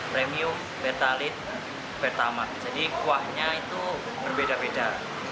premium pertalite pertamax jadi kuahnya itu berbeda beda